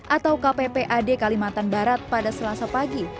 atau kppad kalimantan barat pada selasa pagi